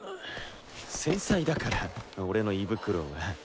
繊細だから俺の胃袋は。